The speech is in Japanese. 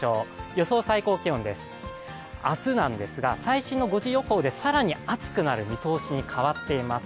予想最高気温です明日なんですが、最新の５時予報で更に暑くなる見通しに変わっています。